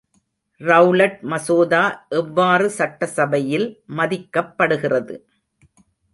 Rowlatt மசோதா எவ்வாறு சட்ட சபையில் மதிக்கப்படுகிறது.